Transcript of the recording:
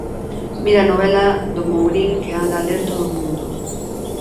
Mira a novela do Mourín que anda a ler todo o mundo.